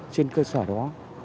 trên cơ sở đó